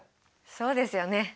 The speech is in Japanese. そうですよね。